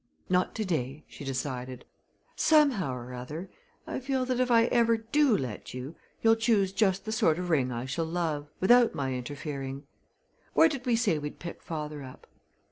"Not to day," she decided. "Somehow or other I feel that if ever I do let you, you'll choose just the sort of ring I shall love, without my interfering. Where did we say we'd pick father up?"